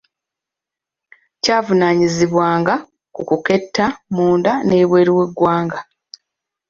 Kyavunaanyizibwanga ku kuketta munda n’ebweru w’eggwanga.